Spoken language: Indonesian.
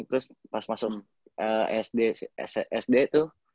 terus pas masuk sd tuh